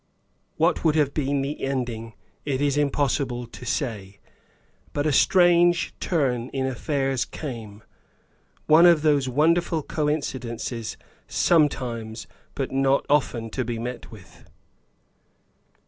What would have been the ending, it is impossible to say, but a strange turn in affairs came; one of those wonderful coincidences sometimes, but not often to be met with.